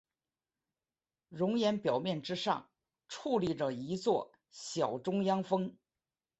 熔岩表面之上矗立着一座小中央峰。